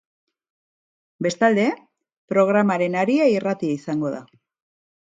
Bestalde, programaren haria irratia izango da.